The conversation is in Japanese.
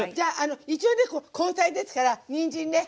一応ね根菜ですからにんじんね。